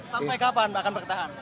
sampai kapan akan bertahan